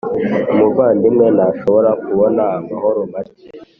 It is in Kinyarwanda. umuvandimwe ntashobora kubona amahoro make?